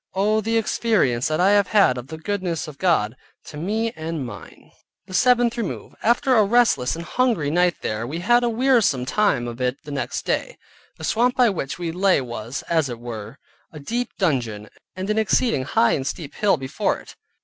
Oh the experience that I have had of the goodness of God, to me and mine! THE SEVENTH REMOVE After a restless and hungry night there, we had a wearisome time of it the next day. The swamp by which we lay was, as it were, a deep dungeon, and an exceeding high and steep hill before it.